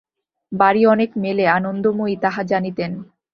বাড়ি অনেক মেলে আনন্দময়ী তাহা জানিতেন।